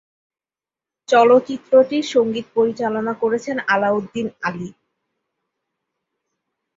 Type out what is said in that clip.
চলচ্চিত্রটির সঙ্গীত পরিচালনা করেছেন আলাউদ্দিন আলী।